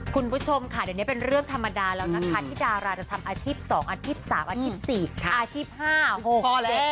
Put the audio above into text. คุณผู้ชมค่ะเดี๋ยวเนี้ยเป็นเรื่องธรรมดาแล้วนะคะที่ดาราจะทำอาทิตย์สองอาทิตย์สามอาทิตย์สี่ค่ะอาทิตย์ห้าหก